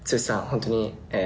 本当に。